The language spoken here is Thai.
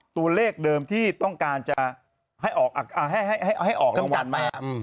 ตัวเลขเดิมที่ต้องการจะให้ออกรางวัลมา